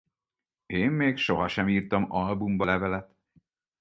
Én még sohasem írtam albumba levelet.